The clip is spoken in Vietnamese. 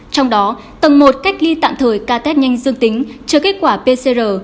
trong đó tầng một cách ly tạm thời ca test nhanh dương tính chờ kết quả pcr